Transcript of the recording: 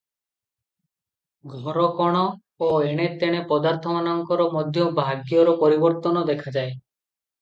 ଘରକୋଣ ଓ ଏଣେତେଣେ ପଦାର୍ଥମାନଙ୍କର ମଧ୍ୟ ଭାଗ୍ୟର ପରିବର୍ତ୍ତନ ଦେଖାଯାଏ ।